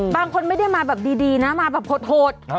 บางคนไม่ได้มาแบบดีนะมาแบบโหด